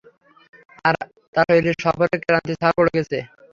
আর তার শরীরে সফরের ক্লান্তির ছাপ পড়ে গেছে।